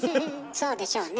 「そうでしょうね」